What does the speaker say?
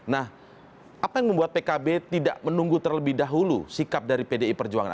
nah apa yang membuat pkb tidak menunggu terlebih dahulu sikap dari pdi perjuangan